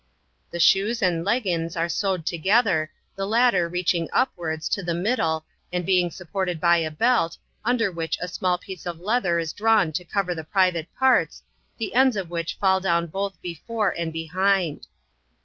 The shoes and leg gins are sewed together, the latter reaching upwards, to the middle, and being supported by a belt, under which a small piece of leather is drawn to cover the private parts, the ends of which fall down both before and behind.